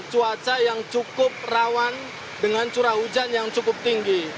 cuaca yang cukup rawan dengan curah hujan yang cukup tinggi